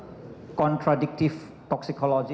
ada penundaan dalam pengumpulan spesimen toxicology